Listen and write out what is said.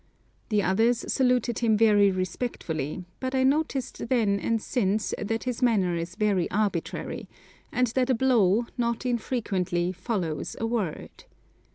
The others saluted him very respectfully, but I noticed then and since that his manner is very arbitrary, and that a blow not infrequently follows a word.